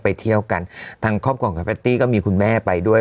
ไปเที่ยวกันทางครอบครัวของแพตตี้ก็มีคุณแม่ไปด้วย